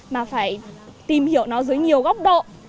mà phải tìm hiểu nó dưới nhiều góc độ